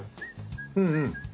うんうん。